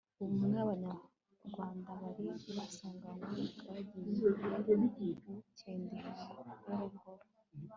ubumwe abanyarwanda bari basanganywe bwagiye bukendera buhoro buhoro